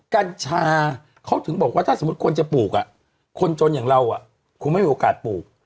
กัญชาเขาถึงบอกว่าถ้าสมมุติคนจะปลูกคนจนอย่างเราคงไม่มีโอกาสปลูก